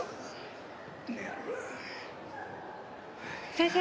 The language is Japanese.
先生。